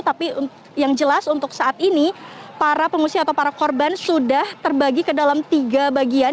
tapi yang jelas untuk saat ini para pengungsi atau para korban sudah terbagi ke dalam tiga bagian